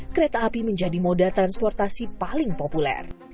kereta api menjadi moda transportasi paling populer